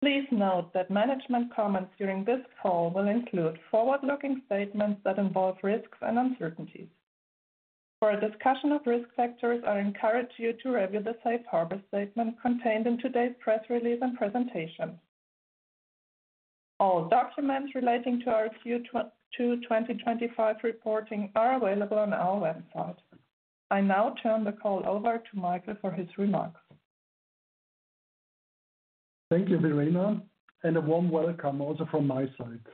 Please note that management comments during this call will include forward-looking statements that involve risks and uncertainties. For a discussion of risk factors, I encourage you to review the Safe Harbor statement contained in today's press release and presentation. All documents relating to our Q2 2025 reporting are available on our website. I now turn the call over to Michael for his remarks. Thank you, Verena, and a warm welcome also from my side.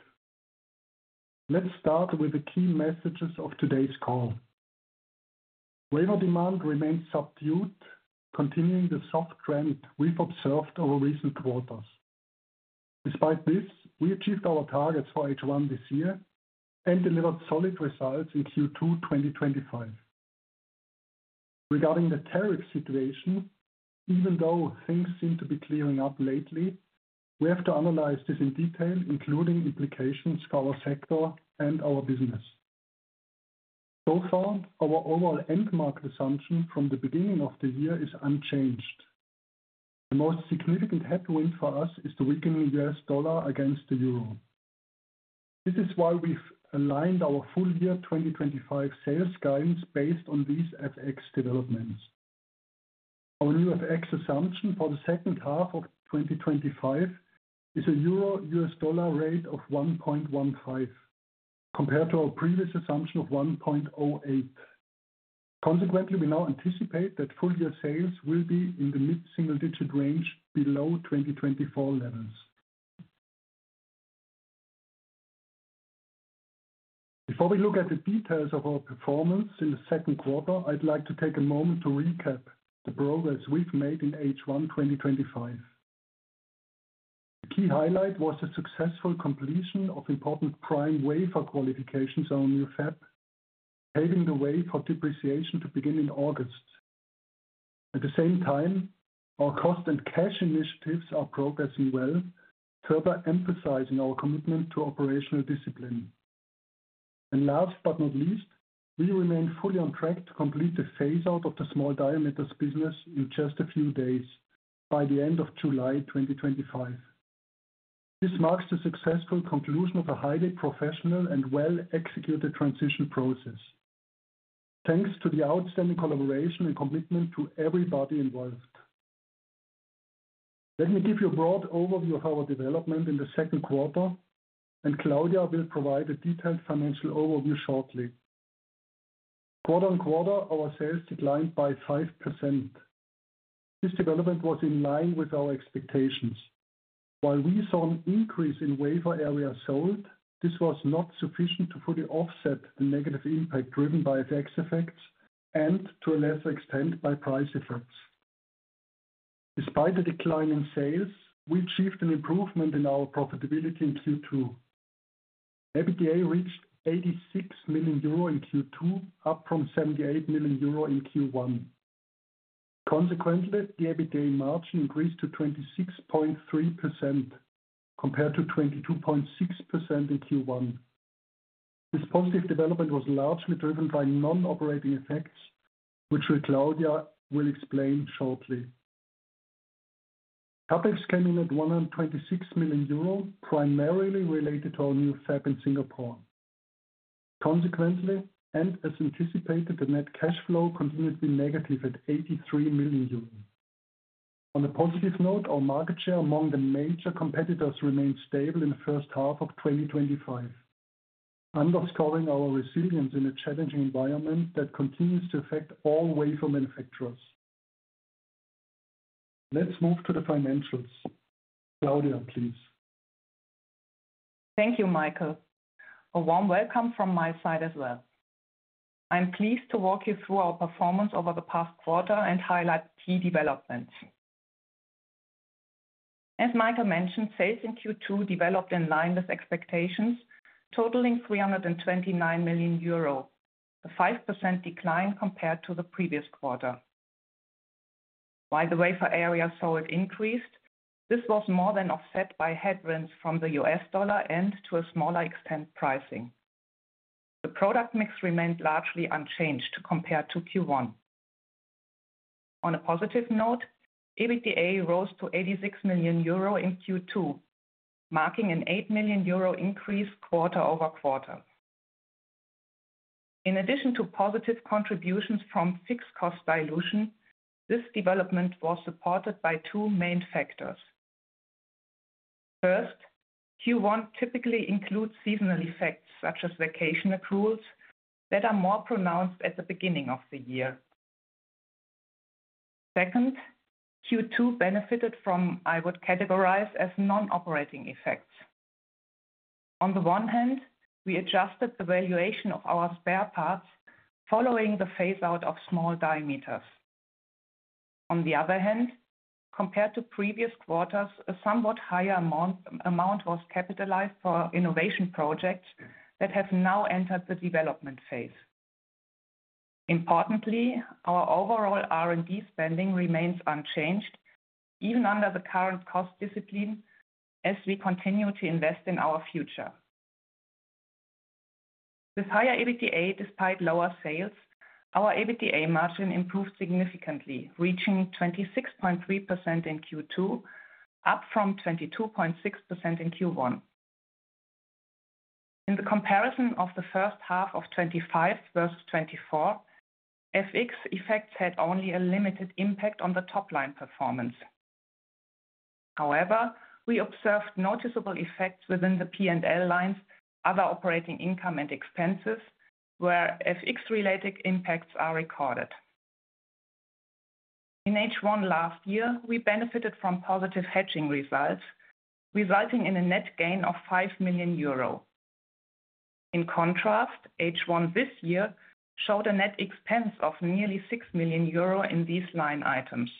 Let's start with the key messages of today's call. Wafer demand remains subdued, continuing the soft trend we've observed over recent quarters. Despite this, we achieved our targets for H1 this year and delivered solid results in Q2 2025. Regarding the tariff situation, even though things seem to be clearing up lately, we have to analyze this in detail, including implications for our sector and our business. So far, our overall end market assumption from the beginning of the year is unchanged. The most significant headwind for us is the weakening US dollar against the Euro. This is why we've aligned our full year 2025 sales guidance based on these FX. Our new FX assumption for the second half of 2025 is a EUR/USD rate of 1.15 compared to our previous assumption of 1.08. Consequently, we now anticipate that full year sales will be in the mid single digit range below 2024 levels. Before we look at the details of our performance in the second quarter, I'd like to take a moment to recap the progress we've made in H1 2025. Key highlight was the successful completion of important prime wafer qualifications on new fab, paving the way for depreciation to begin in August. At the same time, our cost and cash initiatives are progressing well, further emphasizing our commitment to operational discipline. Last but not least, we remain fully on track to complete the phase-out of the small diameters business in just a few days by the end of July 2025. This marks the successful conclusion of a highly professional and well-executed transition process, thanks to the outstanding collaboration and commitment of everybody involved. Let me give you a broad overview of our development in the second quarter, and Claudia will provide a detailed financial overview shortly. Quarter on quarter, our sales declined by 5%. This development was in line with our expectations. While we saw an increase in wafer areas sold, this was not sufficient to fully offset the negative impact driven by FX effects and, to a lesser extent, by price effects. Despite the decline in sales, we achieved an improvement in our profitability in Q2. EBITDA reached 86 million euro in Q2, up from 78 million euro in Q1. Consequently, the EBITDA margin increased to 26.3% compared to 22.6% in Q1. This positive development was largely driven by non-operating effects, which Claudia will explain shortly. CapEx came in at 126 million euro, primarily related to our new fab in Singapore. Consequently, and as anticipated, the net cash flow continued to be negative at 83 million euros. On a positive note, our market share among the major competitors remained stable in the first half of 2025, underscoring our resilience in a challenging environment that continues to affect all wafer manufacturers. Let's move to the financials. Claudia, please. Thank you, Michael. A warm welcome from my side as well. I'm pleased to walk you through our performance over the past quarter and highlight key developments. As Michael mentioned, sales in Q2 developed in line with expectations, totaling 329 million euro, a 5% decline compared to the previous quarter. While the wafer area sold increased, this was more than offset by headwinds from the US dollar and, to a smaller extent, pricing. The product mix remained largely unchanged compared to Q1. On a positive note, EBITDA rose to 86 million euro in Q2, marking an 8 million euro increase quarter-over-quarter. In addition to positive contributions from fixed cost dilution, this development was supported by two main factors. First, Q1 typically includes seasonal effects such as vacation accruals that are more pronounced at the beginning of the year. Second, Q2 benefited from what I would categorize as non-operating effects. On the one hand, we adjusted the valuation of our spare parts following the phase-out of small diameters. On the other hand, compared to previous quarters, a somewhat higher amount was capitalized for innovation projects that have now entered the development phase. Importantly, our overall R&D spending remains unchanged even under the current cost discipline as we continue to invest in our future with higher EBITDA. Despite lower sales, our EBITDA margin improved significantly, reaching 26.3% in Q2, up from 22.6% in Q1. In the comparison of first half 2025 versus 2024, FX effects had only a limited impact on the top line performance. However, we observed noticeable effects within the P&L lines, other operating income and expenses where FX-related impacts are recorded. In H1 last year, we benefited from positive hedging results, resulting in a net gain of 5 million euro. In contrast, H1 this year showed a net expense of nearly 6 million euro in these line items.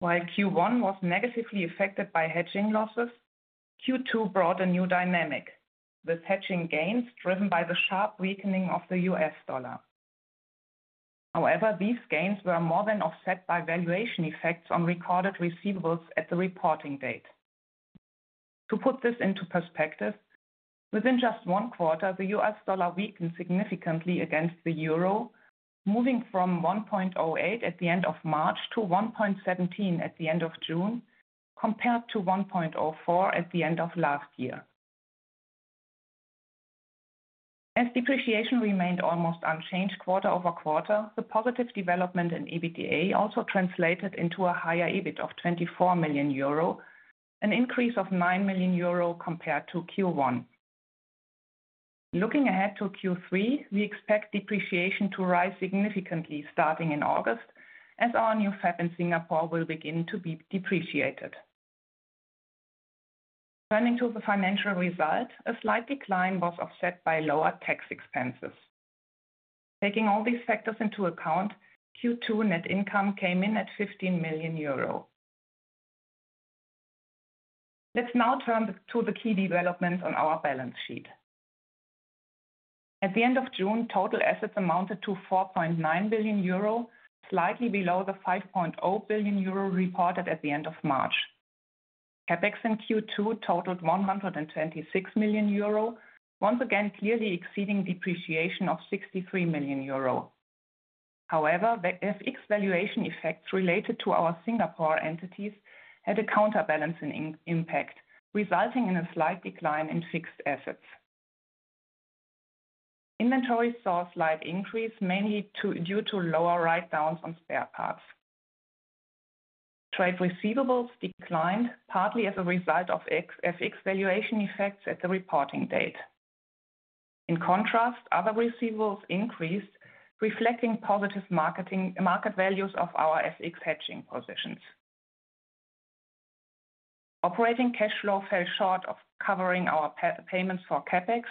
While Q1 was negatively affected by hedging losses, Q2 brought a new dynamic with hedging gains driven by the sharp weakening of the US dollar. However, these gains were more than offset by valuation effects on recorded receivables at the reporting date. To put this into perspective, within just one quarter the US dollar weakened significantly against the euro, moving from 1.08 at the end of March to 1.17 at the end of June, compared to 1.04 at the end of last year, as depreciation remained almost unchanged quarter-over-quarter. The positive development in EBITDA also translated into a higher EBIT of 24 million euro, an increase of 9 million euro compared to Q1. Looking ahead to Q3, we expect depreciation to rise significantly starting in August as our new fab in Singapore will begin to be depreciated. Turning to the financial result, a slight decline was offset by lower tax expenses. Taking all these factors into account, Q2 net income came in at 15 million euro. Let's now turn to the key developments on our balance sheet. At the end of June, total assets amounted to 4.9 billion euro, slightly below the 5.0 billion euro reported at the end of March. CapEx in Q2 totaled 126 million euro, once again clearly exceeding depreciation of 63 million euro. However, FX valuation effects related to our Singapore entities had a counterbalancing impact, resulting in a slight decline in fixed assets. Inventory saw a slight increase, mainly due to lower write-downs on spare parts. Trade receivables declined partly as a result of FX valuation effects at the reporting date. In contrast, other receivables increased, reflecting positive market values of our FX hedging positions. Operating cash flow fell short of covering our payments for CapEx,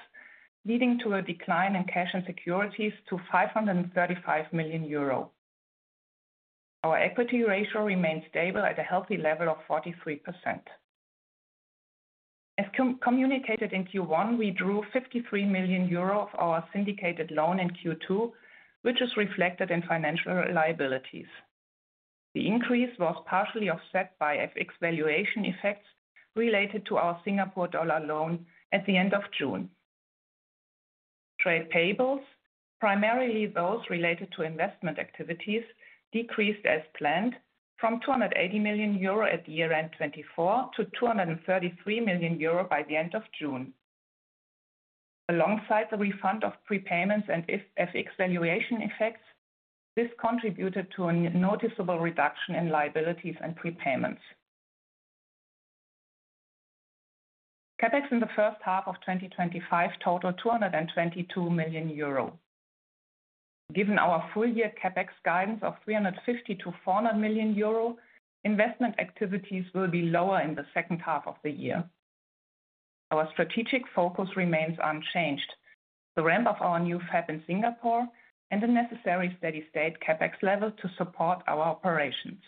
leading to a decline in cash and securities to 535 million euro. Our equity ratio remained stable at a healthy level of 43% as communicated in Q1. We drew 53 million euro of our syndicated loan in Q2, which is reflected in financial liabilities. The increase was partially offset by FX valuation effects related to our Singapore dollar loan at the end of June. Trade payables, primarily those related to investment activities, decreased as planned from 280 million euro at the year end 2024 to 233 million euro by the end of June. Alongside the refund of prepayments and FX valuation effects, this contributed to a noticeable reduction in liabilities and prepayments. CapEx in the first half of 2025 totaled 222 million euro. Given our full year CapEx guidance of 350 million-400 million euro, investment activities will be lower in the second half of the year. Our strategic focus remains unchanged, the ramp of our new fab in Singapore and the necessary steady state CapEx level to support our operations.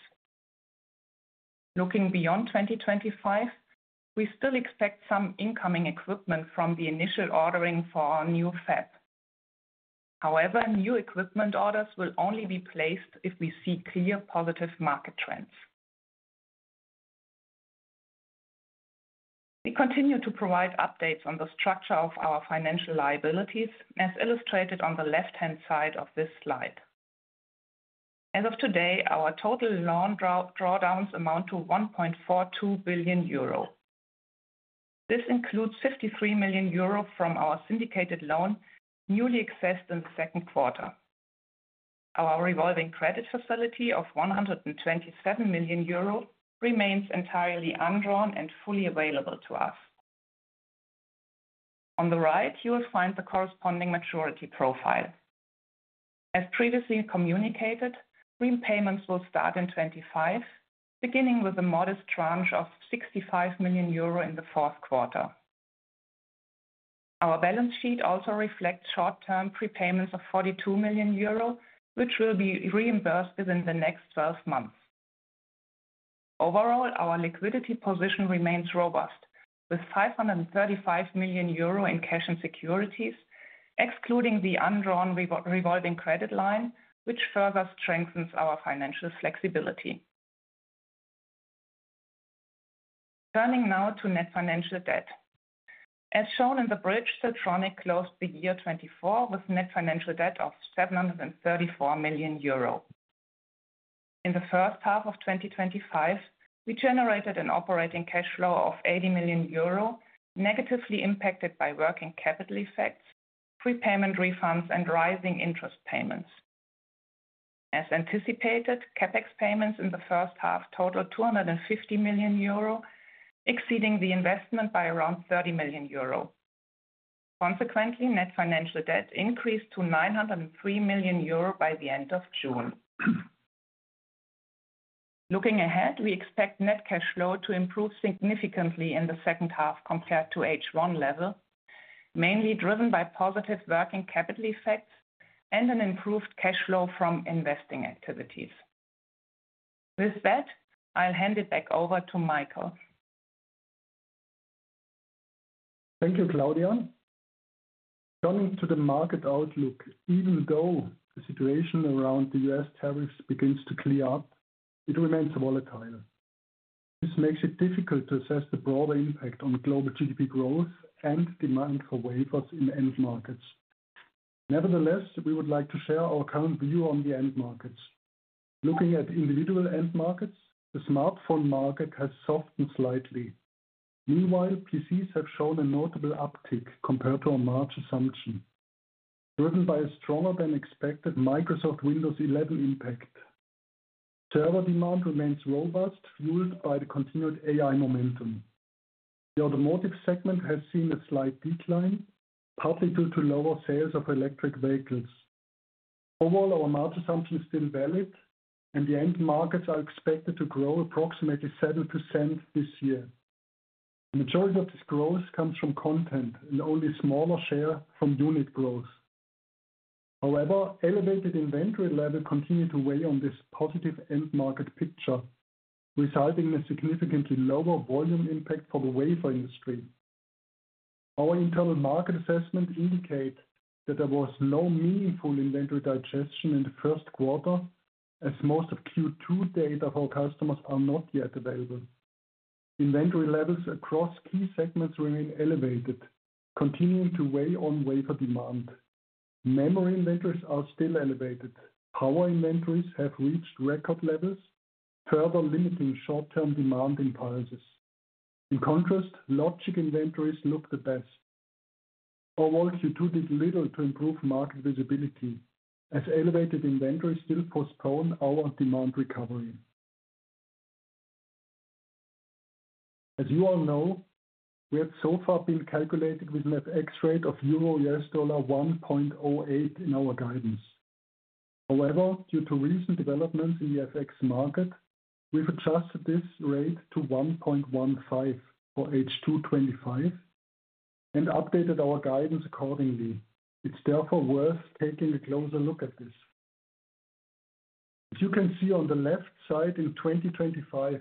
Looking beyond 2025, we still expect some incoming equipment from the initial ordering for our new fab. However, new equipment orders will only be placed if we see clear positive market trends. We continue to provide updates on the structure of our financial liabilities as illustrated on the left-hand side of this slide. As of today, our total loan drawdowns amount to 1.42 billion euro. This includes 53 million euro from our syndicated loan, newly accessed in the second quarter. Our revolving credit facility of 127 million euro remains entirely undrawn and fully available to us. On the right, you will find the corresponding maturity profile as previously communicated. Real payments will start in 2025, beginning with a modest tranche of 65 million euro in the fourth quarter. Our balance sheet also reflects short-term prepayments of 42 million euro, which will be reimbursed within the next 12 months. Overall, our liquidity position remains robust with 535 million euro in cash and securities, excluding the undrawn revolving credit line, which further strengthens our financial flexibility. Turning now to net financial debt as shown in the bridge, Siltronic closed the year 2024 with net financial debt of 734 million euro. In the first half of 2025, we generated an operating cash flow of 80 million euro, negatively impacted by working capital effects, prepayment refunds, and rising interest payments. As anticipated, CapEx payments in the first half totaled 250 million euro, exceeding the investment by around 30 million euro. Consequently, net financial debt increased to 903 million euro by the end of June. Looking ahead, we expect net cash flow to improve significantly in the second half compared to the H1 level, mainly driven by positive working capital effects and an improved cash flow from investing activities. With that, I'll hand it back over to Michael. Thank you, Claudia. Coming to the market outlook, even though the situation around the U.S. tariffs begins to clear up, it remains volatile. This makes it difficult to assess the broader impact on global GDP growth and demand for wafers in end markets. Nevertheless, we would like to share our current view on the end markets. Looking at individual end markets, the smartphone market has softened slightly. Meanwhile, PCs have shown a notable uptick compared to our March assumption, driven by a stronger than expected Microsoft Windows 11 impact. Server demand remains robust, fueled by the continued AI momentum. The automotive segment has seen a slight decline, partly due to lower sales of electric vehicles. Overall, our March assumption is still valid and the end markets are expected to grow approximately 7% this year. The majority of this growth comes from content and only a smaller share from unit growth. However, elevated inventory levels continue to weigh on this positive end market picture, resulting in a significantly lower volume impact for the wafer industry. Our internal market assessment indicates that there was no meaningful inventory digestion in the first quarter as most of Q2 data for customers are not yet available. Inventory levels across key segments remain elevated, continuing to weigh on wafer demand. Memory inventories are still elevated. Power inventories have reached record levels, further limiting short-term demand and prices. In contrast, logic inventories look the best. Q2 did little to improve market visibility as elevated inventories still postpone our demand recovery. As you all know, we have so far been calculating with an FX rate of EUR/USD 1.08 in our guidance. However, due to recent developments in the FX market, we've adjusted this rate to 1.15 for H2 25 and updated our guidance accordingly. It's therefore worth taking a closer look at this. As you can see on the left side, in 2025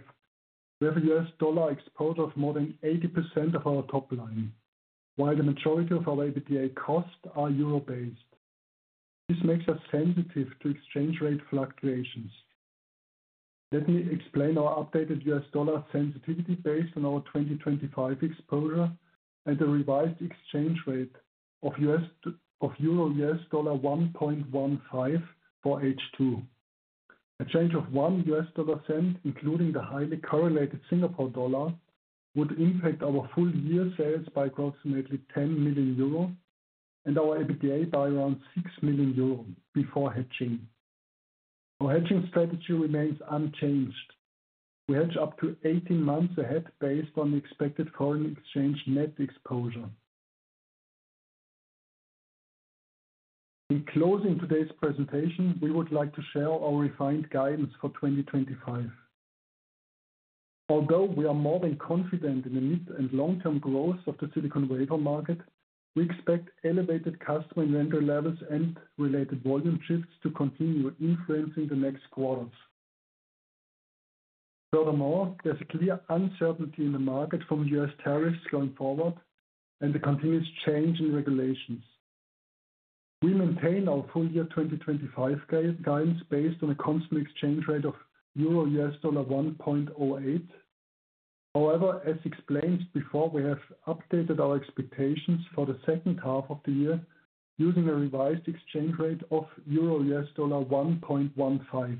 we have a US dollar exposure of more than 80% of our top line. While the majority of our EBITDA costs are euro based, this makes us sensitive to exchange rate fluctuations. Let me explain our updated US dollar sensitivity based on our 2025 exposure and the revised exchange rate of EUR 1.15 for H2. A change of $1.00, including the highly correlated Singapore dollar, would impact our full year sales by approximately 10 million euro and our EBITDA by around 6 million euro before hedging. Our hedging strategy remains unchanged. We hedge up to 18 months ahead based on expected foreign exchange net exposure. In closing today's presentation, we would like to share our refined guidance for 2025. Although we are more than confident in the mid and long term growth of the silicon wafer market, we expect elevated customer inventory levels and related volume shifts to continue influencing the next quarters. Furthermore, there is a clear uncertainty in the market from U.S. tariffs going forward and the continuous change in regulations. We maintain our full year 2025 guidance based on a constant exchange rate of EUR/USD 1.08. However, as explained before, we have updated our expectations for the second half of the year using a revised exchange rate of EUR/USD 1.15.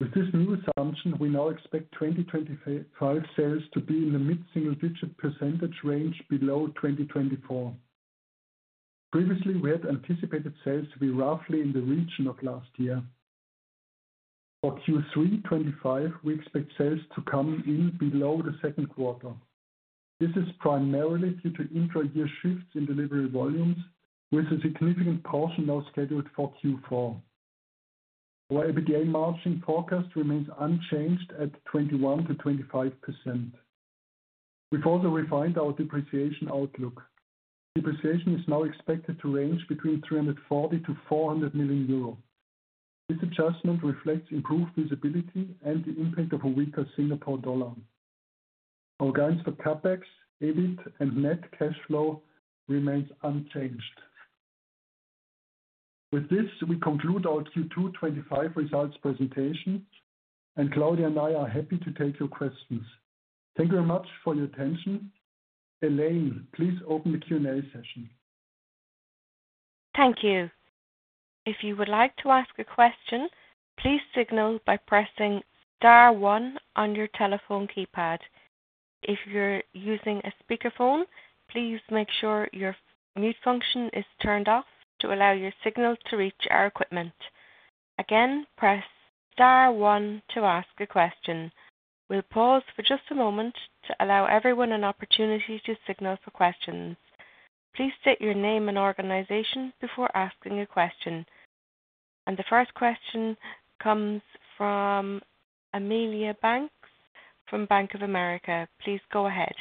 With this new assumption, we now expect 2025 sales to be in the mid single-digit % range below 2024. Previously, we had anticipated sales to be roughly in the region of last year. For Q3 2025, we expect sales to come in below the second quarter. This is primarily due to intra-year shifts in delivery volumes with a significant portion now scheduled for Q4. Our EBITDA margin forecast remains unchanged at 21%-25%. We further refined our depreciation outlook. Depreciation is now expected to range between 340 million-400 million euros. This adjustment reflects improved visibility and the impact of a weaker Singapore dollar. Our guidance for CapEx, EBIT, and net cash flow remains unchanged. With this, we conclude our Q2 2025 results presentation and Claudia and I are happy to take your questions. Thank you very much for your attention. Elaine, please open the Q&A session. Thank you. If you would like to ask a question, please signal by pressing star one on your telephone keypad. If you're using a speakerphone, please make sure your mute function is turned off to allow your signal to reach our equipment. Again, press star one to ask a question. We'll pause for just a moment to allow everyone an opportunity to signal for questions. Please state your name and organization before asking a question. The first question comes from Amelia Banks from Bank of America. Please go ahead.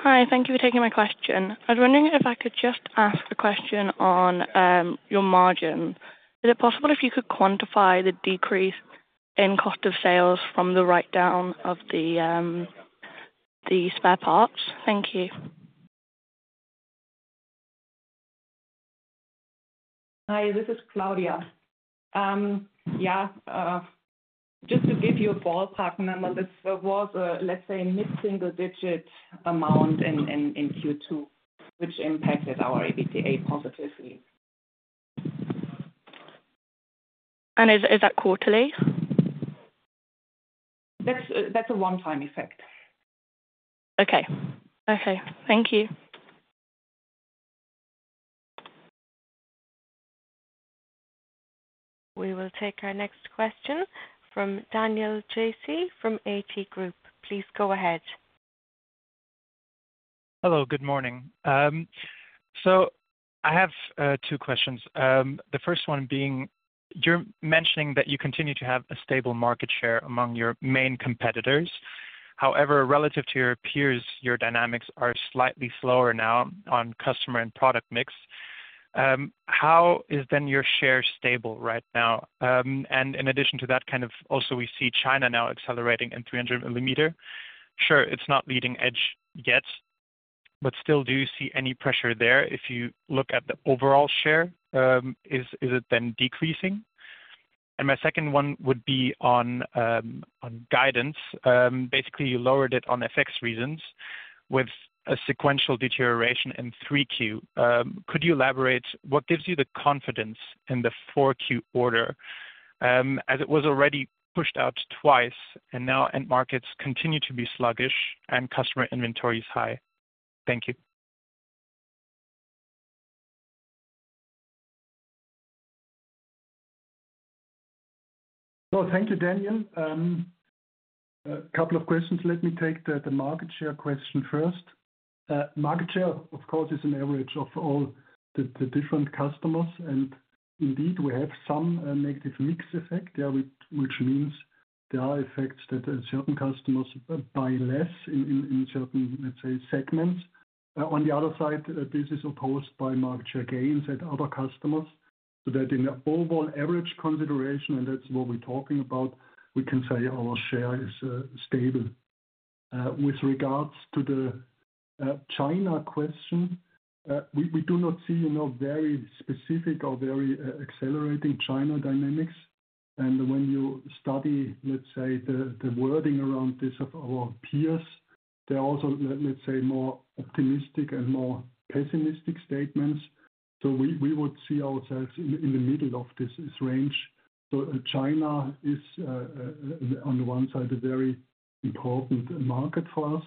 Hi, thank you for taking my question. I was wondering if I could just ask a question on your margin. Is it possible if you could quantify the decrease in cost of sales from the write-down of the spare parts? Thank you. Hi, this is Claudia. Just to give you a ballpark number, let's say mid single digit amount in Q2, which impacted our EBITDA positively. Is that quarterly? That's a one-time effect. Okay. Okay, thank you. We will take our next question from Daniel JC from AT Group. Please go ahead. Hello, good morning. I have two questions. The first one being you're mentioning that you continue to have a stable market share among your main competitors. However, relative to your peers, your dynamics are slightly slower. Now on customer and product mix, how is then your share stable right now? In addition to that, we see China now accelerating in 300 mm. Sure, it's not leading edge yet, but still, do you see any pressure there? If you look at the overall share, is it then decreasing? My second one would be on guidance. Basically, you lowered it on FX reasons with a sequential deterioration in 3Q. Could you elaborate? What gives you the confidence in the 4Q order as it was already pushed out twice and now end markets continue to be sluggish and customer inventory is high. Thank you. Thank you, Daniel. Couple of questions. Let me take the market share question first. Market share, of course, is an average of all the different customers. Indeed, we have some negative mix effect, which means there are effects that certain customers buy less in certain, let's say, segments. On the other side, this is opposed by market share gains at other customers. In the overall average consideration, and that's what we're talking about, we can say our share is stable. With regards to the China question, we do not see very specific or very accelerating China dynamics. When you study, let's say, the wording around this of our peers, there are also, let's say, more optimistic and more pessimistic statements. We would see ourselves in the middle of this range. China is, on the one side, a very important market for us.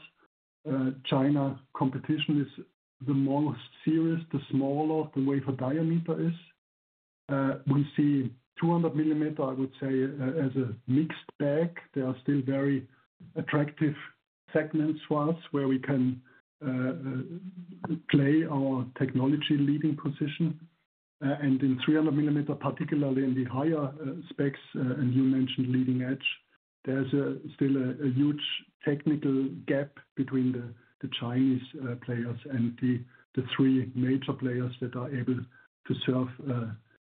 China competition is the most serious the smaller the wafer diameter is. We see 200 mm, I would say, as a mixed bag. There are still very attractive segment swaths where we can play our technology leading position, and in 300 mm, particularly in the higher specs, and you mentioned leading edge, there's still a huge technical gap between the Chinese players and the three major players that are able to serve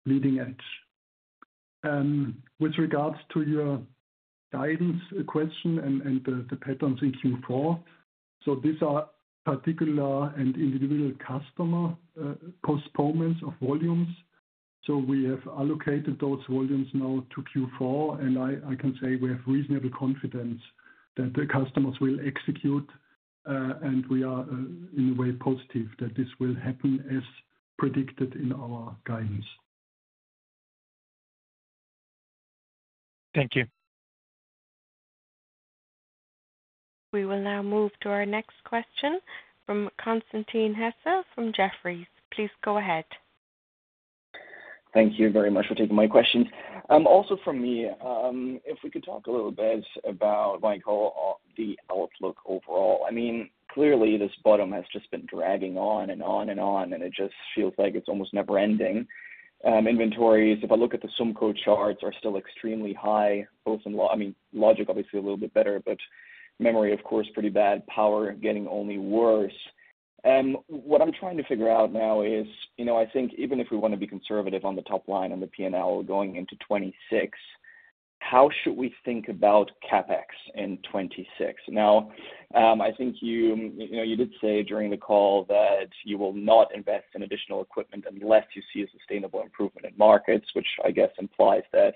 leading edge. With regards to your guidance question and the patterns each fall, these are particular and individual customer postponements of volumes. We have allocated those volumes now to Q4, and I can say we have reasonable confidence that the customers will execute, and we are in a way positive that this will happen as predicted in our guidance. Thank you. We will now move to our next question from Constantin Hesse from Jefferies. Please go ahead. Thank you very much for taking my question. Also from me, if we could talk a little bit about Michael, the outlook overall, I mean, clearly this bottom has just been dragging on and on and on and it just feels like it's almost never ending. Inventories, if I look at the SUMCO charts, are still extremely high, both in logic. I mean, logic obviously a little bit better, but memory of course, pretty bad. Power getting only worse. What I'm trying to figure out now is I think even if we want to be conservative on the top line and the P&L going into 2026, how should we think about CapEx in 2026? Now, I think you did say during the call that you will not invest in additional equipment unless you see a sustainable improvement in markets, which I guess implies that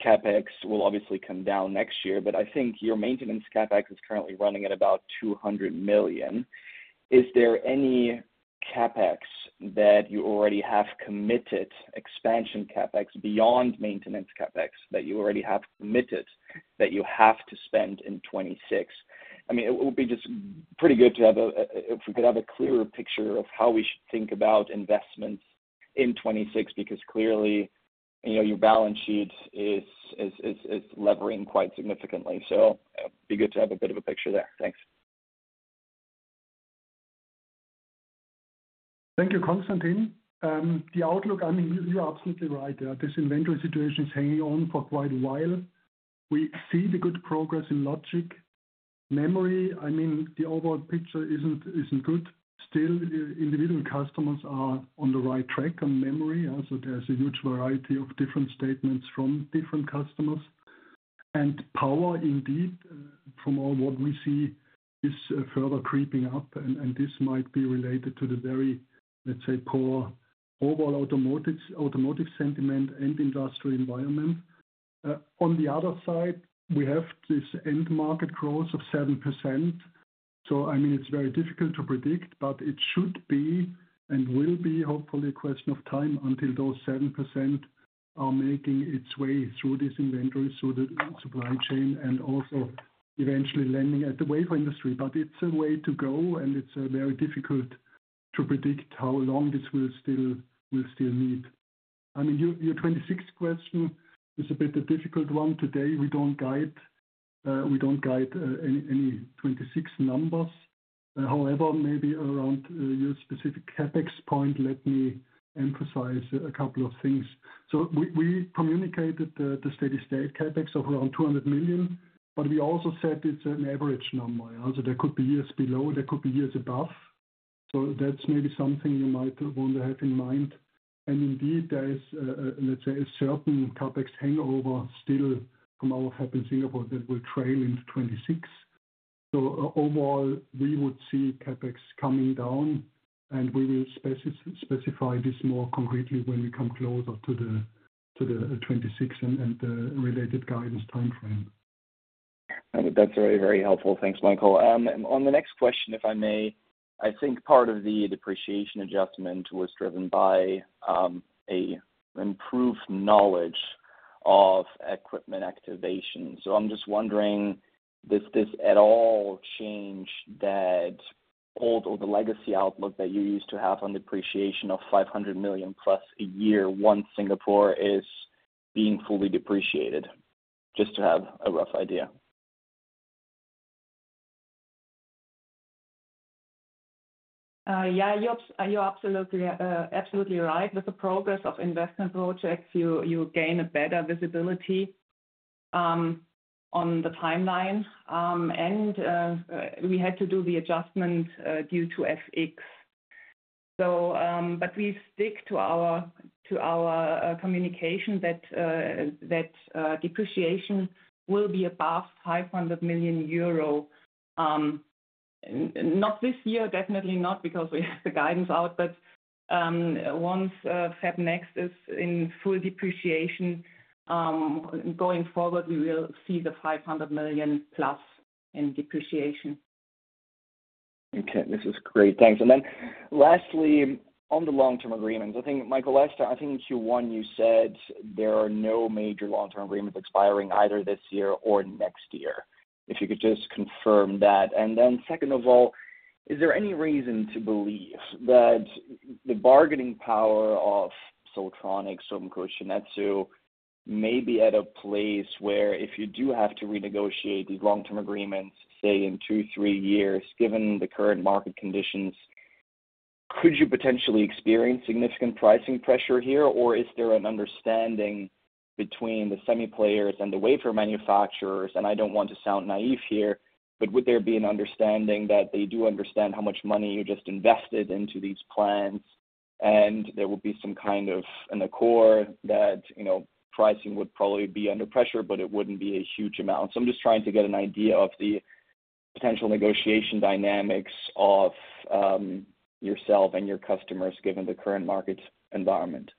CapEx will obviously come down next year. I think your maintenance CapEx is currently running at about 200 million. Is there any CapEx that you already have committed, expansion CapEx beyond maintenance CapEx, that you already have committed that you have to spend in 2026? I mean, it would be just pretty good to have if we could have a clearer picture of how we should think about investments in 2026 because clearly your balance sheet is levering quite significantly. It would be good to have a bit. Of a picture there. Thanks. Thank you. Constantin. The outlook, I mean, you're absolutely right. This inventory situation is hanging on for quite a while. We see the good progress in logic, memory. I mean the overall picture isn't good. Still, individual customers are on the right track on memory. There's a huge variety of different statements from different customers and power indeed from all what we see is further creeping up, and this might be related to the very, let's say, poor overall automotive sentiment and industrial environment. On the other side, we have this end market growth of 7%. I mean it's very difficult to predict, but it should be and will be hopefully a question of time until those 7% are making its way through this inventory, the supply chain, and also eventually landing at the wafer industry. It's a way to go, and it's very difficult to predict how long this will still need. I mean your 2026 question is a bit difficult one. Today we don't guide, we don't guide any 2026 numbers. However, maybe around your specific CapEx point, let me emphasize a couple of things. We communicated the steady state CapEx of around 200 million, but we also said it's an average number. Also, there could be years below, there could be years above, so that's maybe something you might want to have in mind. Indeed, there is, let's say, a certain CapEx hangover still from our fab in Singapore that will trail into 2026. Overall, we would see CapEx coming down, and we will specify this more concretely when we come closer to 2026 and the related guidance timeframe. That's very, very helpful. Thanks, Michael. On the next question, if I may, I think part of the depreciation adjustment was driven by an improved knowledge of equipment activation. I'm just wondering, does this at all change that old or the legacy outlook that you used to have on depreciation of 500 million+ a year once Singapore is being fully depreciated? Just to have a rough idea. Yeah, you're absolutely right. With the progress of investment projects, you gain a better visibility on the timeline, and we had to do the adjustment due to FX. We stick to our communication that depreciation will be above 500 million euro, not this year. Definitely not, because we have the guidance out. Once FabNext is in full depreciation, going forward we will see the 500 million+ in depreciation. Okay, this is great, thanks. Lastly, on the long-term agreements, I think Michael, last year, I think in Q1 you said there are no major long-term agreements expiring either this year or next year. If you could just confirm that. Second of all, is there any reason to believe that the bargaining power of Siltronic, SUMCO, Shin-Etsu may be at a place where if you do have to renegotiate these long-term agreements, say in two, three years, given the current market conditions, could you potentially experience significant pricing pressure here or is there an understanding between the semi players and the wafer manufacturers? I don't want to sound naive here, but would there be an understanding that they do understand how much money you just invested into these plants and there will be some kind of an accord that pricing would probably be under pressure but it wouldn't be a huge amount. I'm just trying to get an idea of the potential negotiation dynamics of yourself and your customers given the current market environment.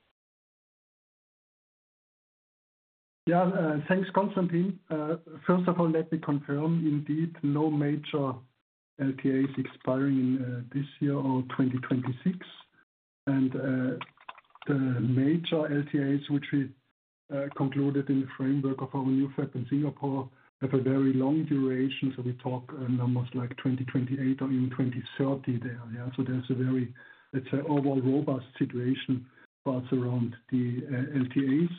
Yeah, thanks, Constantin. First of all, let me confirm, indeed no major LTA is expiring this year or 2026, and the major LTAs which we concluded in the framework of our new plant in Singapore have a very long duration. We talk numbers like 2028 or even 2030 there. There's a very, let's say, overall robust situation. Parts around the LTAs,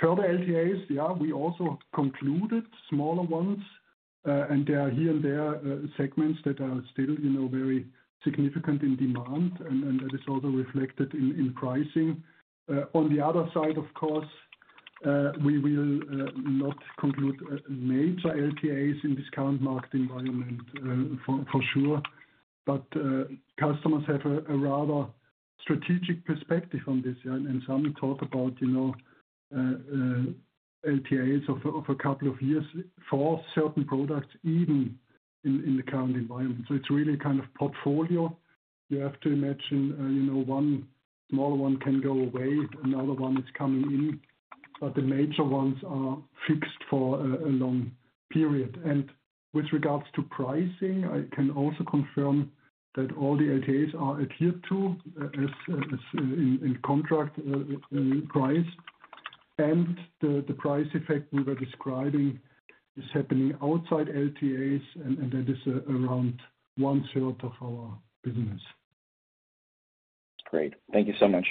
further LTAs, we also concluded smaller ones, and there are here and there segments that are still, you know, very significant in demand, and that is also reflected in pricing on the other side. Of course, we will not conclude major LTAs in this current market environment for sure. Customers have a rather strategic perspective on this, and some talk about, you know, LTAs of a couple of years for certain products even in the current environment. It's really kind of portfolio. You have to imagine, you know, one small one can go away, another one is coming in, but the major ones are fixed for a long time period. With regards to pricing, I can also confirm that all the LTAs are adhered to as in contract price, and the price effect we were describing is happening outside LTAs, and that is around one third of our business. Great, thank you so much.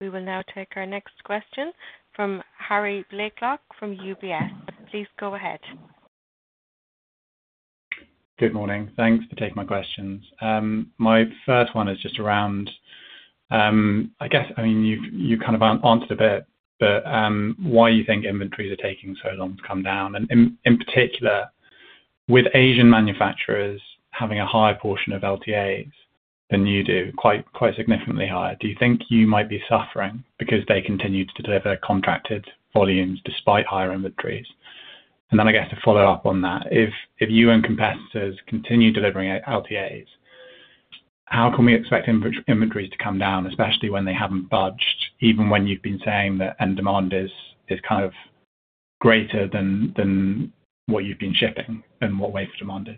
We will now take our next question from Harry Blaiklock from UBS. Please go ahead. Good morning. Thanks for taking my questions. My first one is just around, I guess, why you think inventories are taking so long to come down. In particular, with Asian manufacturers having a higher portion of LTAs than you do, quite significantly higher, do you think you might be suffering because they continue to deliver contracted volumes despite higher inventories? To follow up on that, if you and competitors continue delivering LTAs, how can we expect inventories to come down, especially when they haven't budged, even when you've been saying that and demand is kind of greater than what you've been shipping and what wafer demand is.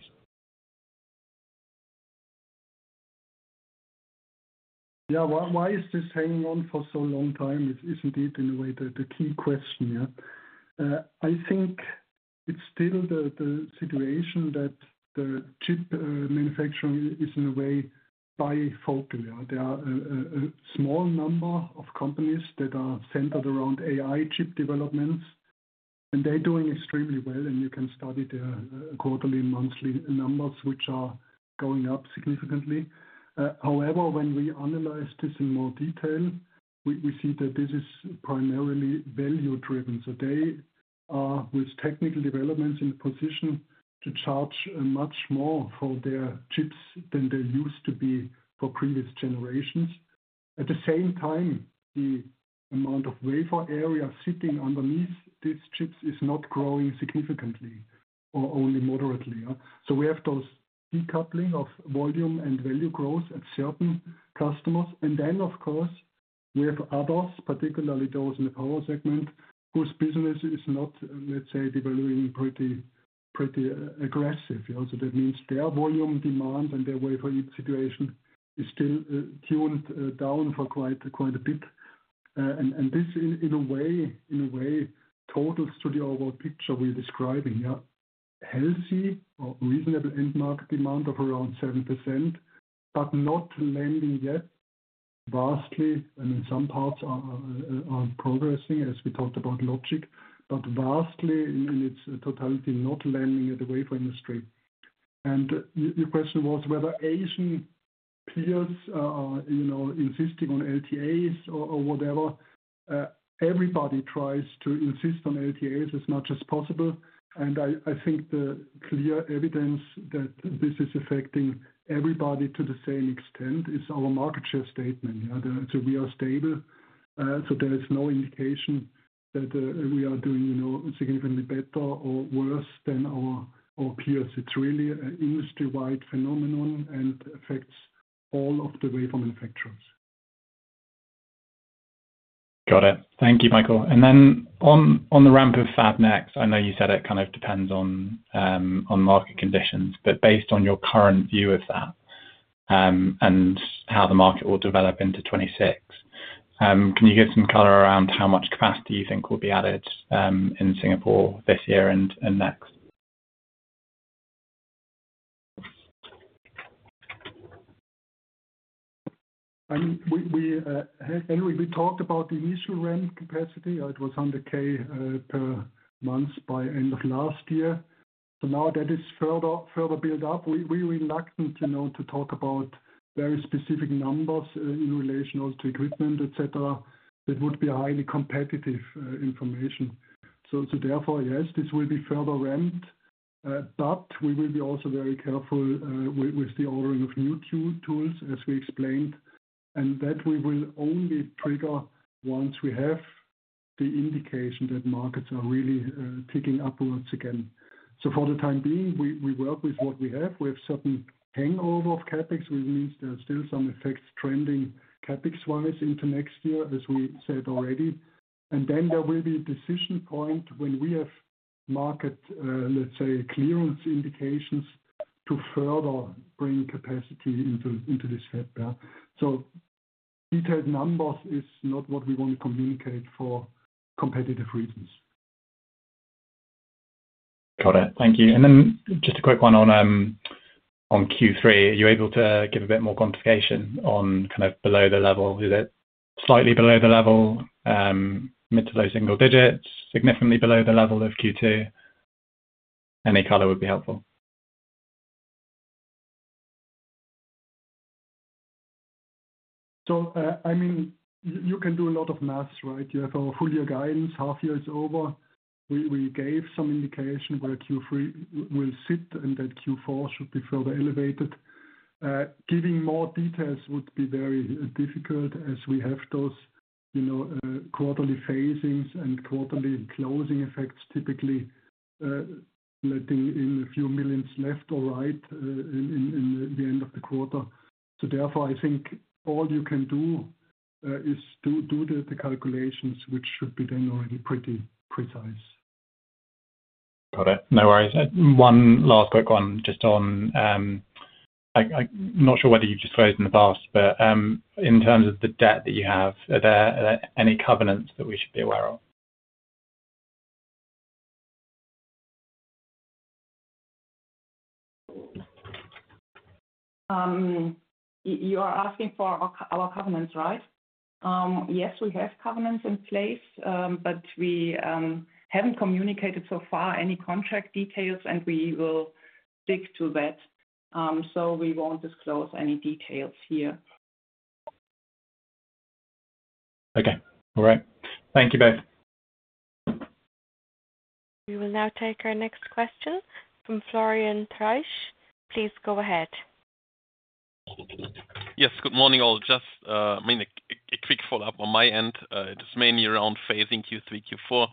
Yeah. Why is this hanging on for so long? Time is indeed, in a way, the key question. I think it's still the situation that the chip manufacturing is, in a way, bifocal. There are a small number of companies that are centered around AI chip developments and they're doing extremely well. You can study their quarterly, monthly numbers, which are going up significantly. However, when we analyze this in more detail, we see that this is primarily value driven. They are, with technical developments, in position to charge much more for their chips than there used to be for previous generations. At the same time, the amount of wafer area sitting underneath these chips is not growing significantly or only moderately. We have this decoupling of volume and value growth at certain customers. Of course, you have others, particularly those in the power segment, whose business is not, let's say, devaluing, pretty, pretty aggressive. That means their volume, demand, and their wafer area situation is still tuned down for quite a bit. This, in a way, totals to the overall picture. We're describing healthy or reasonable end market demand of around 7% but not landing yet. Vastly, I mean some parts are progressing as we talked about logic, but vastly in its totality, not landing at the wafer industry. Your question was whether Asian peers are insisting on LTAs or whatever. Everybody tries to insist on LTAs as much as possible. I think the clear evidence that this is affecting everybody to the same extent is our market share statement. We are stable, so there is no indication that we are doing significantly better or worse than our peers. It's really an industry-wide phenomenon and affects all of the wafer manufacturers. Got it. Thank you, Michael. On the ramp of FabNext, I know you said it kind of depends on market conditions, but based on your current view of that and how the market will develop into 2026, can you give some color around how much capacity you think will be added in Singapore this year and next? We talked about the issue around capacity, it was 100,000 per month by end of last year. Now that is further built up. We are reluctant, you know, to talk about very specific numbers in relation also to equipment, et cetera. That would be highly competitive information. Yes, this will be further ramped but we will be also very careful with the ordering of new tools as we explained and that we will only trigger once we have the indication that markets are really ticking upwards again. For the time being we work with what we have. We have certain hangover of CapEx which means there are still some effects trending CapEx wise into next year as we said already. There will be a decision point when we have market, let's say clearance indications to further bring capacity into, into this fitbar. Detailed numbers is not what we want to communicate for competitive reasons. Got it, thank you. Just a quick one on Q3, are you able to give a bit more quantification on kind of below the level? Is it slightly below the level? Mid to low single digits? Significantly below the level of Q2? Any color would be helpful. I mean you can do a lot of maths, right? You have a full year guidance, half year, it's over. We gave some indication where Q3 will sit and that Q4 should be further elevated. Giving more details would be very difficult as we have those quarterly phasings and quarterly closing effects typically letting in a few millions left or right in the end of the quarter. Therefore, I think all you can do is to do the calculations which should be then already pretty precise. Got it, no worries. One last quick one just on, I'm not sure whether you just phrased in the past, but in terms of the debt that you have, any covenants that we should be aware of? You are asking for our covenants, right? Yes, we have covenants in place, but we haven't communicated so far any contract details, and we will stick to that. We won't disclose any details here. All right, thank you both. We will now take our next question from Florian Treisch. Please go ahead. Yes, good morning all. Just a quick follow up on my end. It is mainly around phasing Q3, Q4.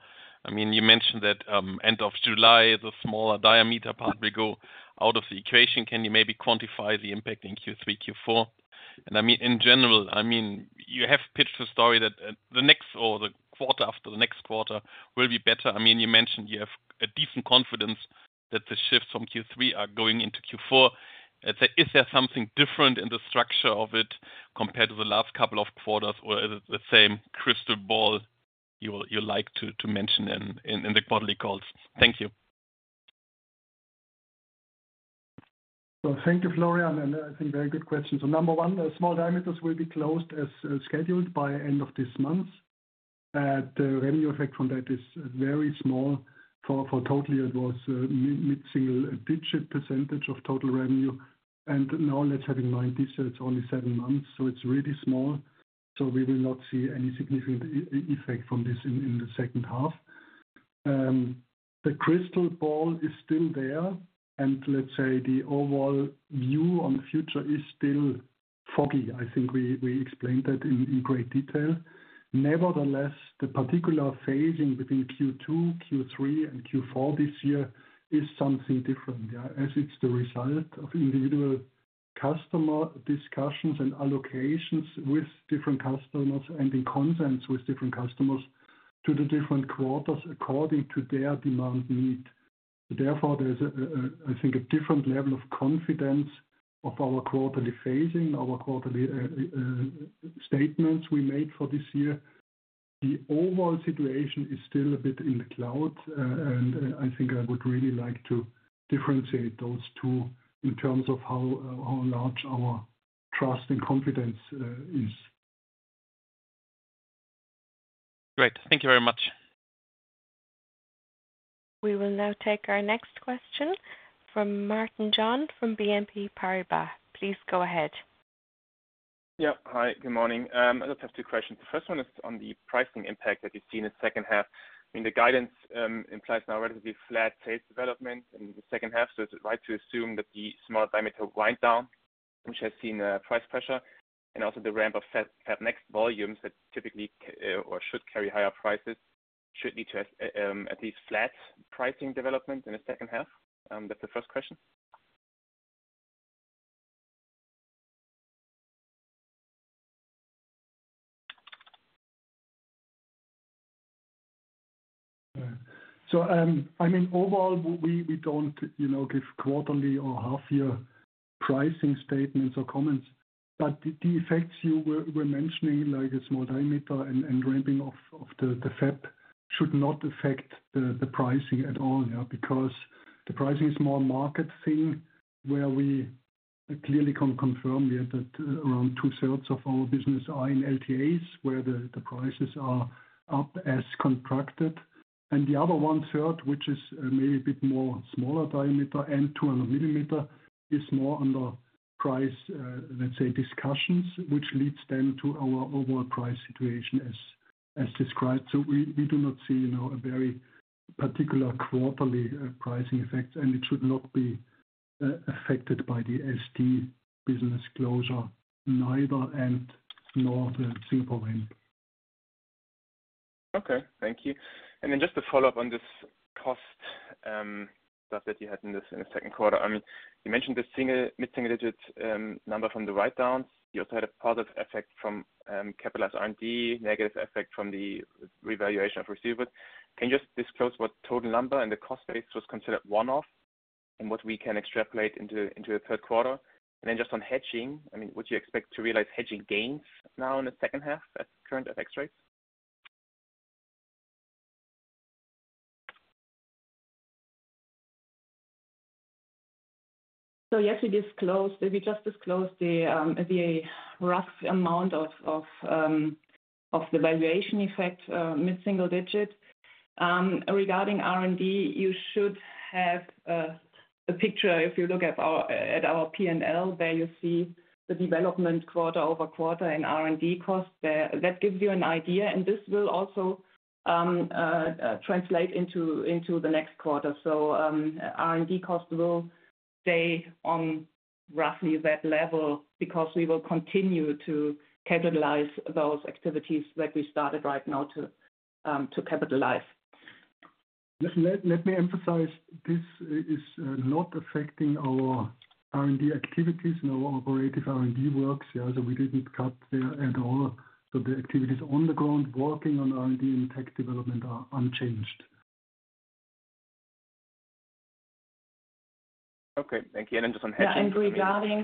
You mentioned that end of July the smaller diameter part will go out of the equation. Can you maybe quantify the impact in Q3, Q4 and in general, you have pitched a story that the next or the quarter after the next quarter will be better. You mentioned you have a decent confidence that the shifts from Q3 are going into Q4. Is there something different in the structure of it compared to the last couple of quarters or the same crystal ball you like to mention in the quarterly calls? Thank you. Thank you, Florian. I think very good question. Number one, small diameters will be closed as scheduled by end of this month. The revenue effect from that is very small, for totally it was mid single digit % of total revenue. Now let's have in mind this year it's only seven months, so it's really small. We will not see any significant effect from this in the second half. The crystal ball is still there and let's say the overall view on the future is still foggy. I think we explained that in great detail. Nevertheless, the particular phasing between Q2, Q3, and Q4 this year is something different as it's the result of individual customer discussions and allocations with different customers and in contents with different customers to the different quarters according to their demand need. Therefore, there's I think a different level of confidence of our quarterly phasing, our quarterly statements we made for this year. The overall situation is still a bit loud and I think I would really like to differentiate those two in terms of how large our trust and confidence is. Great, thank you very much. We will now take our next question from Martin Jungfleisch from BNP Paribas. Please go ahead. Yeah, hi, good morning. I just have two questions. The first one is on the pricing impact that you've seen in the second half. I mean, the guidance implies now relatively flat sales development in the second half. Is it right to assume that the smart diameter wind down, which has seen price pressure, and also the ramp of FabNext volumes that typically or should carry higher prices, should be just at least flat pricing development in the second half? That's the first question. Overall, we don't, you know, give quarterly or half year pricing statements or comments. The effects you were mentioning like a small diameter and ramping of the fab should not affect the pricing at all because the pricing is more a market thing where we clearly can confirm that around two thirds of our business are in LTA's where the prices are up as contracted, and the other one third, which is maybe a bit more small diameter and 200 mm, is more under price, let's say, discussions, which leads then to our overall price situation as described. We do not see, you know, a very particular quarterly pricing effect, and it should not be affected by the SD business closure, neither nor the Singapore. Okay, thank you. Just to follow up on this cost stuff that you had in the second quarter, you mentioned the single mid single digit number from the write-downs. You also had a positive effect from capitalized R&D, negative effect from the revaluation of receivable. Can you just disclose what total number in the cost base was considered one-off and what we can extrapolate into the third quarter? Just on hedging, would you expect to realize hedging gains now in the second half at current FX rates? Yes, we disclosed, we just disclosed the rough amount of the valuation effect. It's single digit. Regarding R&D, you should have a picture. If you look at our P&L, the development quarter-over-quarter in R&D cost, that gives you an idea. This will also translate into the next quarter. R&D cost will stay on roughly that level because we will continue to capitalize those activities that we started right now to capitalize. Let me emphasize this is not affecting our R&D activities in our operative R&D works. We didn't cut there at all. The activities on the ground working on R&D and tech development are unchanged. Okay, thank you. Regarding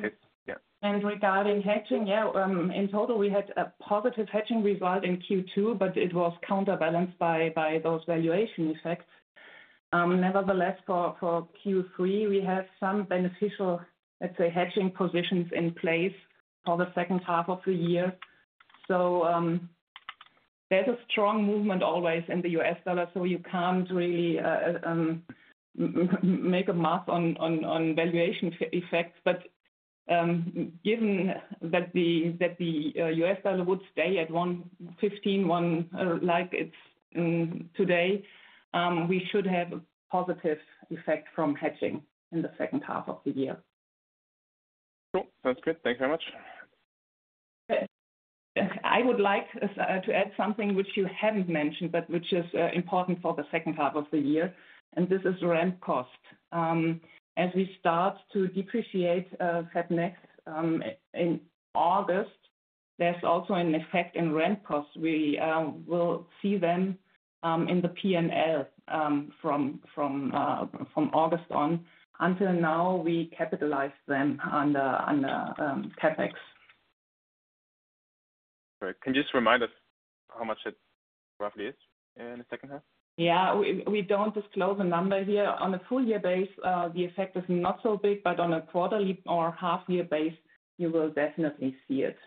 hedging, in total we had a positive hedging result in Q2, but it was counterbalanced by those valuation effects. Nevertheless, for Q3 we have some beneficial, let's say, hedging positions in place for the second half of the year. There is a strong movement always in the US dollar, so you can't really make a mark on valuation effects. Given that the US dollar would stay at 1.151 like it's today, we should have a positive effect from hedging in the second half of the year. Sounds good. Thanks very much. I would like to add something which you haven't mentioned but which is important for the second half of the year, and this is rent cost as we start to depreciate FabNext in August. There's also an effect in rent costs. We will see them in the P&L from August on. Until now, we capitalize them under CapEx. Can you just remind us how much it roughly is in the second half? Yeah, we don't disclose a number here. On a full year basis, the effect is not so big, but on a quarterly or half year basis you will definitely see it.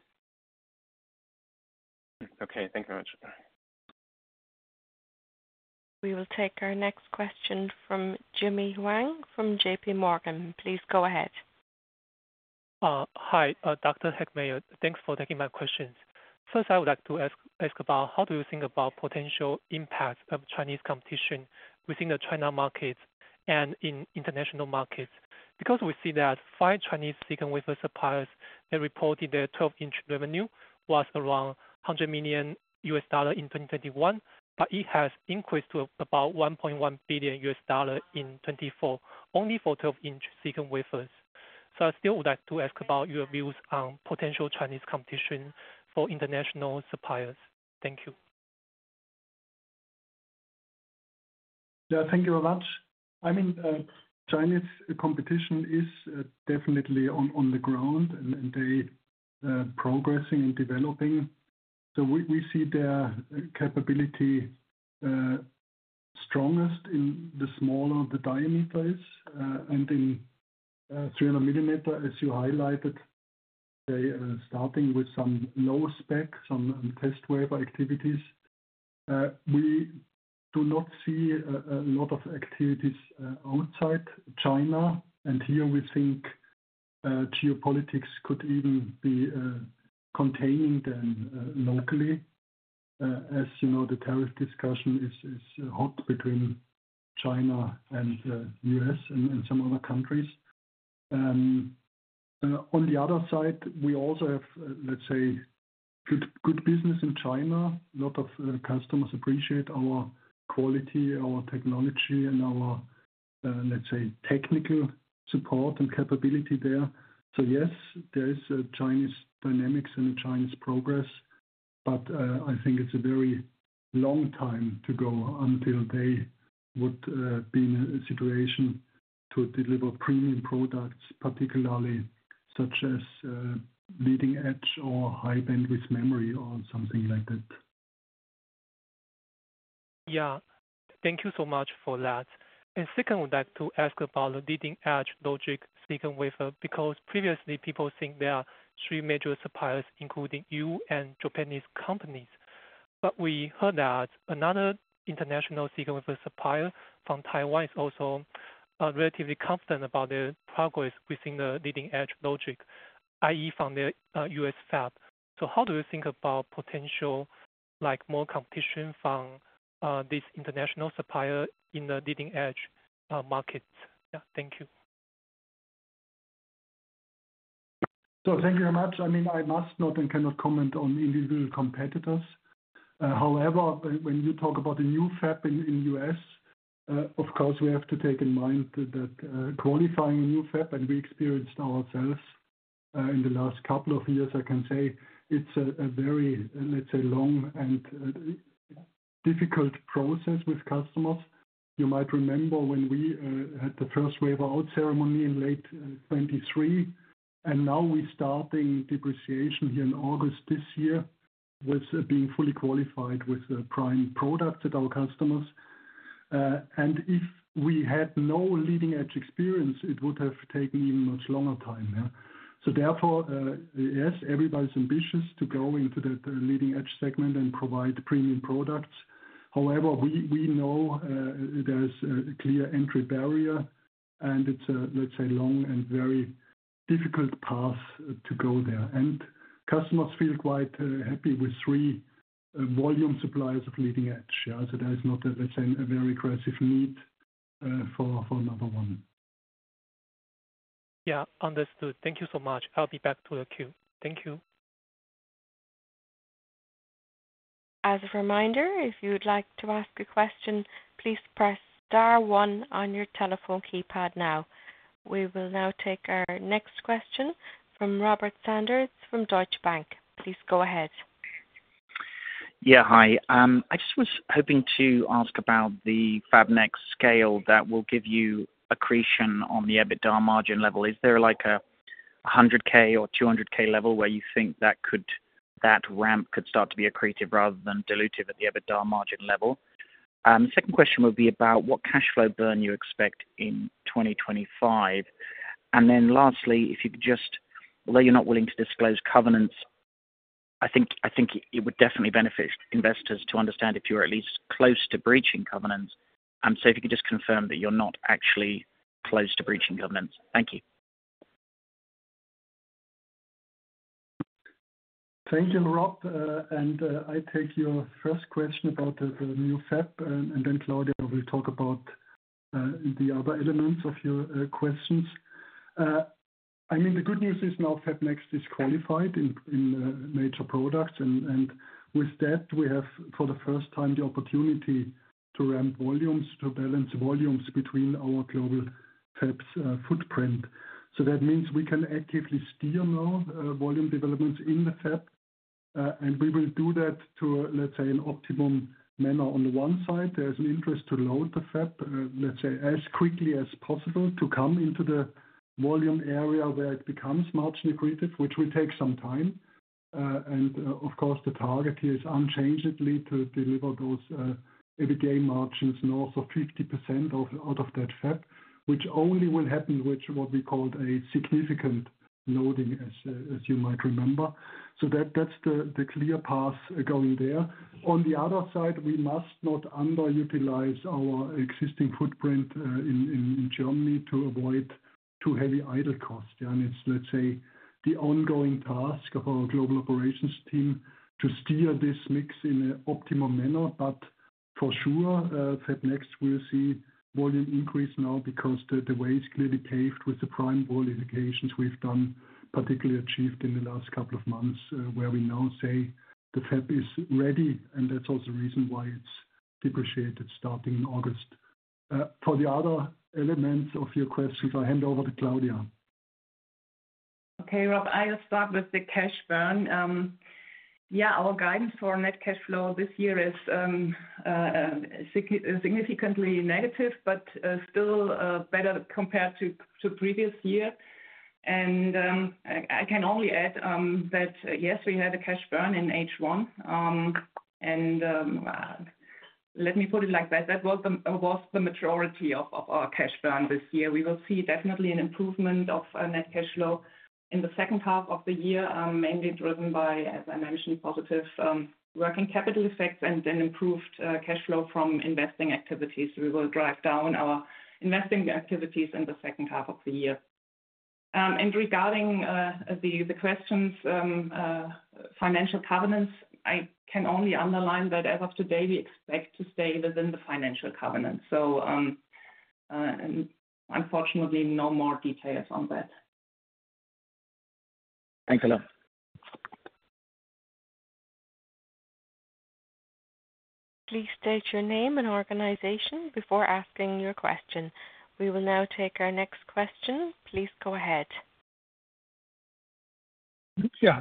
Okay, thank you very much. We will take our next question from Jimmy Huang from JPMorgan Chase & Co. Please go ahead. Hi Dr. Heckmeier. Thanks for taking my questions. First, I would like to ask about how you think about potential impact of Chinese competition within the China market and in international markets. We see that five Chinese silicon wafer suppliers have reported their 12 in revenue was around $100 million in 2021. It has increased to about $1.1 billion in 2024 only for 12 in silicon wafers. I still would like to ask about your views on potential Chinese competition for international suppliers. Thank you. Yeah, thank you very much. I mean China's competition is definitely on the ground and they're progressing and developing. We see their capability strongest the smaller the diameter is and in 300 mm as you highlighted, starting with some low spec, some test wafer activities. We do not see a lot of activities outside China and here we think geopolitics could even be contained locally. As you know, the tariff discussion is hot between China and the U.S. and some other countries on the other side. We also have, let's say, good business in China. A lot of customers appreciate our quality, our technology, and our, let's say, technical support and capability there. Yes, there are Chinese dynamics and Chinese progress. I think it's a very long time to go until they would be in a situation to deliver premium products, particularly such as leading edge or high bandwidth memory or something like that. Thank you so much for that. Second, I would like to ask about the leading edge logic silicon wafer because previously people think there are three major suppliers including you and Japanese companies. We heard that another international silicon supplier from Taiwan is also relatively confident about their progress within the leading edge logic, i.e., foundry in U.S. fab. How do you think about potential, like more competition from this international supplier in the leading edge market? Thank you. Thank you very much. I must note and cannot comment on individual competitors. However, when you talk about the new fab in the U.S., of course we have to take in mind that quantifying a new fab, and we experienced ourselves in the last couple of years, I can say it's a very, let's say, long and difficult process with customers. You might remember when we had the first wafer out ceremony in late 2023, and now we're starting depreciation here in August this year with being fully qualified with prime products at our customers. If we had no leading edge experience, it would have taken even much longer time. Therefore, yes, everybody's ambitious to go into that leading edge segment and provide premium products. However, we know there's a clear entry barrier, and it's a, let's say, long and very difficult path to go there, and customers feel quite happy with three volume suppliers of leading edge. There's not a very aggressive need for another one. Yeah, understood. Thank you so much. I'll be back to the queue. Thank you. As a reminder, if you would like to ask a question, please press Star one on your telephone keypad now. We will now take our next question from Robert Sanders from Deutsche Bank. Please go ahead. Hi, I just was hoping to ask about the FabNext scale that will give you accretion on the EBITDA margin level. Is there like a 100,000 or 200,000 level where you think that could, that ramp could start to be accretive rather. Than dilutive at the EBITDA margin level. Second question would be about what cash flow burn you expect in 2025. Lastly, if you could just, although you're not willing to disclose covenants, I think it would definitely benefit investors to understand if you're at least close to breaching covenants. If you could just confirm that you're not actually close to breaching covenants. Thank you. Thank you. Rob and I take your first question about the new fab and then Claudia will talk about the other elements of your questions. I mean the good news is now FabNext is qualified in nature products and with that we have for the first time the opportunity to ramp volumes to balance volumes between our global fabs footprint. That means we can actively steer now volume developments in the fab and we will do that to, let's say, an optimum manner. On the one side there's an interest to load the fab, let's say as quickly as possible to come into the volume area where it becomes margin accretive, which will take some time. The target here is unchangedly to deliver those EBITDA margins north of 50% out of that fab which only will happen with what we called a significant loading as you might remember. That's the clear path going there. On the other side, we must not underutilize our existing footprint in Germany to avoid too heavy idle cost. It's the ongoing task of our global operations team to steer this mix in an optimal manner. For sure FabNext will see volume increase. Now because the way is clearly paved with the prime qualifications we've done, particularly achieved in the last couple of months where we now say the fab is ready. That's also the reason why it's depreciated starting in August. For the other elements of your questions I hand over to Claudia. Okay Rob, I'll start with the cash burn. Yeah, our guidance for net cash flow this year is significantly negative, but still better compared to previous year. I can only add that yes, we had a cash burn in H1, and let me put it like that, that was the majority of our cash burn this year. We will see definitely an improvement of net cash flow in the second half of the year, mainly driven by, as I mentioned, positive working capital effects and an improved cash flow from investing activities. We will drive down our investing activities in the second half of the year. Regarding the questions on financial covenants, I can only underline that as of today we expect to stay within the financial covenant. Unfortunately, no more details on that. Thanks a lot. Please state your name and organization before asking your question. We will now take our next question. Please go ahead. I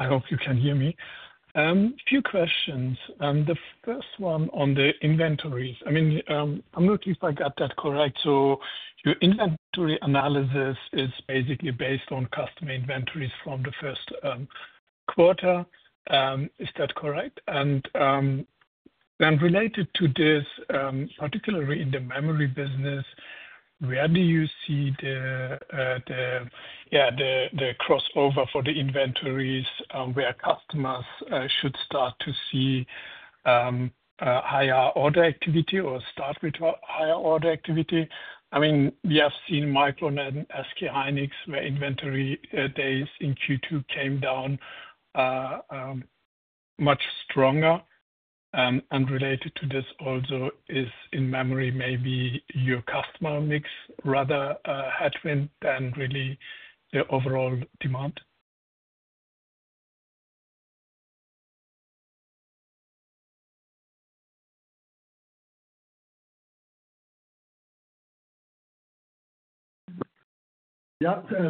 hope you can hear me. Few questions. The first one on the inventories, I mean I'm not sure if I got that correct. So your inventory analysis is basically based on customer inventories from the first quarter, is that correct? Then related to this, particularly in the memory business, where do you see the crossover for the inventories where customers should start to see higher order activity or start with higher order activity? I mean we have seen Micron, SK hynix, where inventory days in Q2 came down much stronger. Related to this also is in memory, maybe your customer mix is rather a headwind than really the overall demand.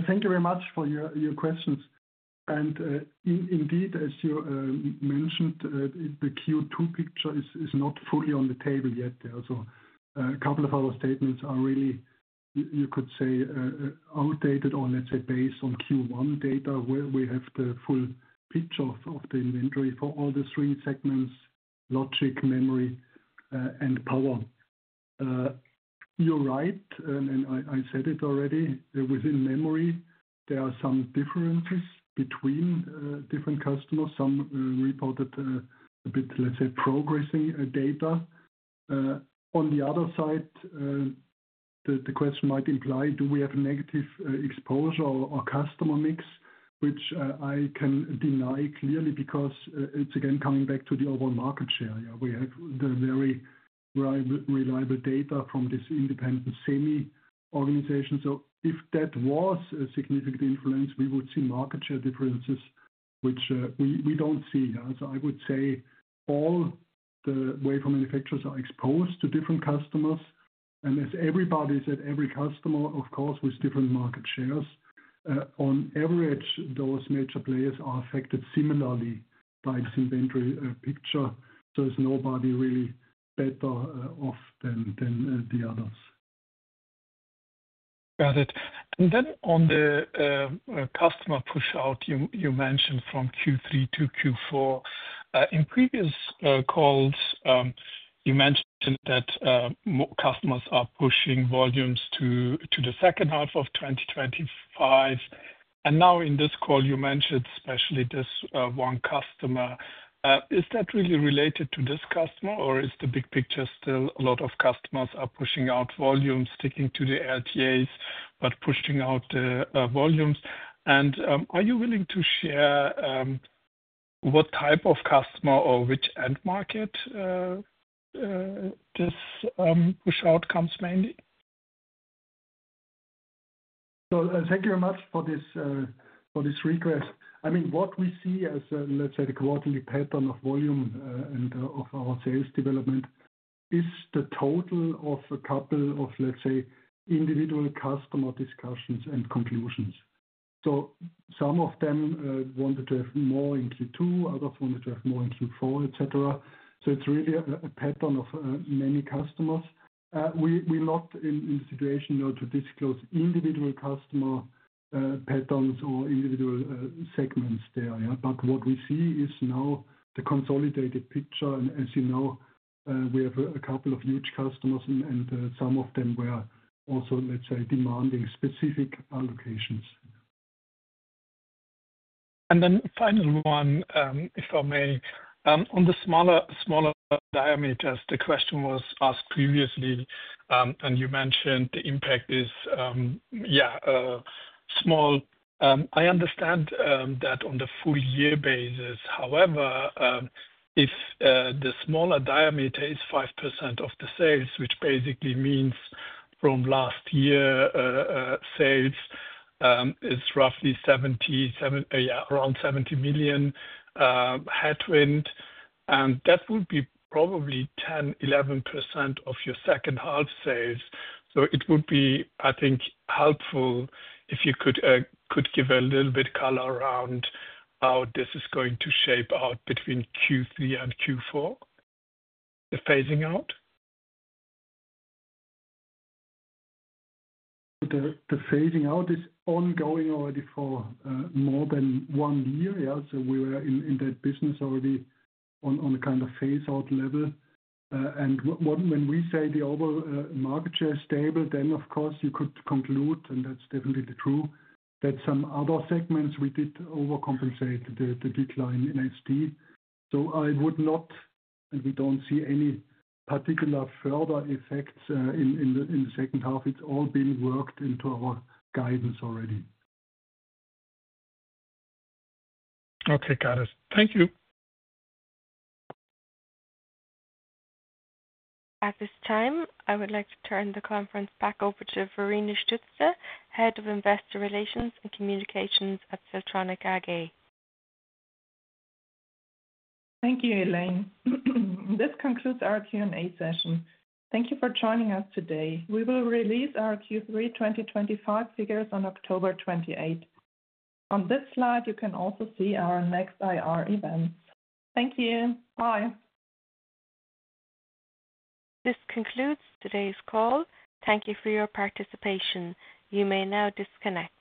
Thank you very much for your questions. Indeed, as you mentioned, the Q2 picture is not fully on the table yet. A couple of our statements are really, you could say, outdated or let's say based on Q1 data where we have the full picture of the inventory for all the three segments: logic, memory, and power. You're right and I said it already. Within memory, there are some differences between different customers, some reported a bit, let's say, progressing data. On the other side, the question might imply do we have negative exposure or customer mix, which I can deny clearly because it's again coming back to the overall market share. We have the very reliable data from this independent SEMI organization. If that was a significant influence, we would see market share differences, which we don't see. I would say all the wafer manufacturers are exposed to different customers and as everybody said, every customer of course with different market shares. On average, those major players are affected similarly by this inventory picture. It's nobody really better off than the others. Got it. On the customer push out, you mentioned from Q3 to Q4. In previous calls you mentioned that customers are pushing volumes to the second half of 2025. In this call you mentioned especially this one customer. Is that really related to this customer, or is the big picture still a lot of customers are pushing out volumes, sticking to the LTAs but pushing out the volumes? Are you willing to share what type of customer or which end market this shortcoming mainly? Thank you very much for this request. What we see as the quarterly pattern of volume and of our sales development is the total of a couple of individual customer discussions and conclusions. Some of them wanted to have more in Q2, others wanted to have more in Q4, et cetera. It's really a pattern of many customers. We are not in a situation to disclose individual customer patterns or individual segments there. What we see is now the consolidated picture. As you know, we have a couple of niche customers and some of them were also demanding specific allocations. The final one, if I may, on the smaller diameters, the question was asked previously and you mentioned impact is, yeah, small. I understand that on the full year basis. However, if the smaller diameter is 5% of the sales, which basically means from last year sales, it's roughly EUR 70 million headwind. That would be probably 10% or 11% of your second half sales. I think it would be helpful if you could give a little bit of color around how this is going to shape out between Q3 and Q4. The phase-out is ongoing already for more than one year. We were in that business already on kind of phase-out level. When we say the overall market share is stable, you could conclude, and that's definitely true, that some other segments did overcompensate the decline in SD. I would not, and we don't see any particular further effects in the second half. It's all been worked into our guidance already. Okay, Got it, thank you. At this time I would like to turn the conference back over to Verena Stütze, Head of Investor Relations and Communications at Siltronic. Thank you, Elaine. This concludes our Q&A session. Thank you for joining us today. We will release our Q3 2025 figures on October 28. On this slide, you can also see our next IR event. Thank you. Bye. This concludes today's call. Thank you for your participation. You may now disconnect.